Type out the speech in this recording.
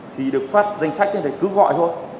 thì được phát danh sách thì cứ gọi thôi